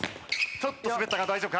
ちょっと滑ったが大丈夫か？